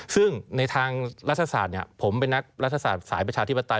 ซึ่งในทางรัฐศาสตร์ผมเป็นนักรัฐศาสตร์สายประชาธิปไตย